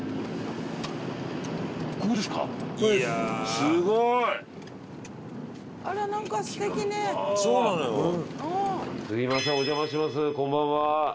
すごい！すみませんおじゃましますこんばんは。